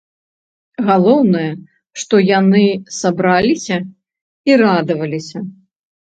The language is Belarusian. Галоўнае, што яны сабраліся і радаваліся.